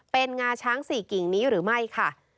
เป็นงาช้าง๔กิ่งนี้หรือไม่ค่ะ